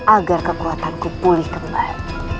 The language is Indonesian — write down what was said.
agar kekuatanku pulih kembali